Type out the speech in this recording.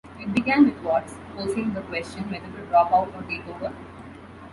It began with Watts posing the question Whether to drop out or take over?